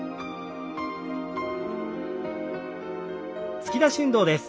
突き出し運動です。